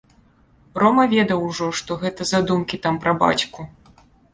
Рома ведаў ужо, што гэта за думкі там пра бацьку.